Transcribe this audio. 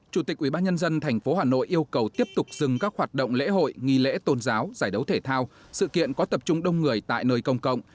chủ tịch ubnd tp hà nội yêu cầu tiếp tục dừng các hoạt động lễ hội nghi lễ tôn giáo giải đấu thể thao sự kiện có tập trung đông người tại nơi công cộng